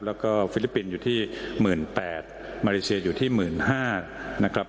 แล้วก็ฟิลิปปินส์อยู่ที่๑๘๐๐๐มาเลเซียอยู่ที่๑๕๐๐นะครับ